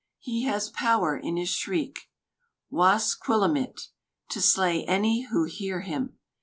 He has power in his shriek, "wāsquīlāmitt," to slay any who hear him.